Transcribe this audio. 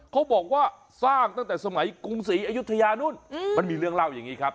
เขาบอกว่าสร้างตั้งแต่สมัยกรุงศรีอยุธยานู่นมันมีเรื่องเล่าอย่างนี้ครับ